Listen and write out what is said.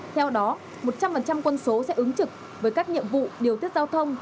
theo đó một trăm linh quân số sẽ ứng trực với các nhiệm vụ điều tiết giao thông